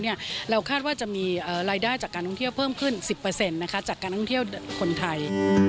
เราคาดว่าจะมีรายได้จากการท่องเที่ยวเพิ่มขึ้น๑๐จากการท่องเที่ยวคนไทย